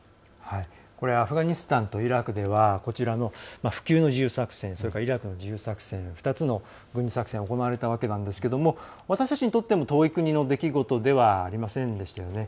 アフガニスタンとイラクではこちらの不朽の自由作戦とそれからイラクの自由作戦２つの軍事作戦が行われたわけなんですが私たちにとっても遠い国の出来事ではありませんでしたよね。